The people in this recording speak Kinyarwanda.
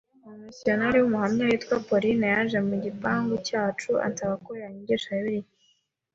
umumisiyonari w Umuhamya witwa Pauline yaje mu gipangu cyacu ansaba ko yanyigisha Bibiliya